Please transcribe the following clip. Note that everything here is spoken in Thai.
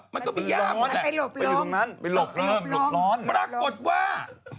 ไปหลบไปลบพรรากฏว่า